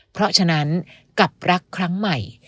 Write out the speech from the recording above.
เพราะฉะนั้นกับรักครั้งใหม่